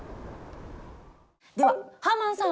ではハーマンさん！